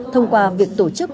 thông qua việc tổ chức